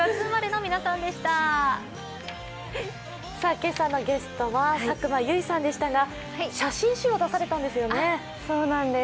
今朝のゲストは佐久間由衣さんでしたが写真集を出されたんですよね。